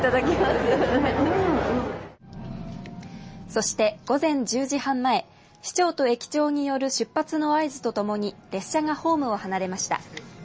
そして、午前１０時半前市長と駅長による出発の合図とともに列車がホームを離れました。